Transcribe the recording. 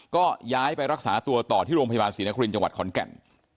ก็ย้ายไปรักษาตัวต่อที่โรงพยาบาลศรีนครินจังหวัดขอนแก่น